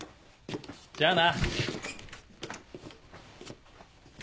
じゃあな。